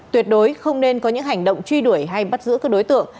tuyệt đối không nên có những hành động truy đuổi hay bắt giữ các đối tượng